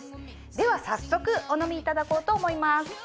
では早速お飲みいただこうと思います。